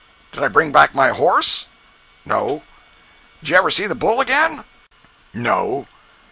"Did I bring back my horse?" "No." "Did you ever see the bull again?" "No."